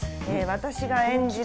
私が演じる